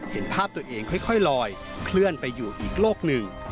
เห็นภาพตัวเองค่อยลอยเคลื่อนไปอยู่อีกโลกหนึ่ง